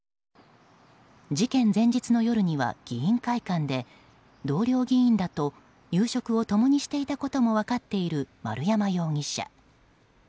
事件前日の夜には議員会館で同僚議員らと夕食を共にしていたことも分かっている丸山容疑者。